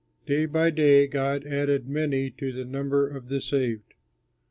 Day by day God added many to the number of the saved.